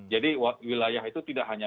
jadi wilayah itu tidak hanya